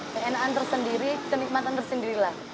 keenaan tersendiri kenikmatan tersendiri lah